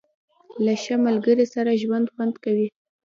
• له ښه ملګري سره ژوند خوند کوي.